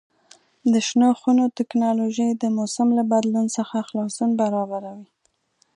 د شنو خونو تکنالوژي د موسم له بدلون څخه خلاصون برابروي.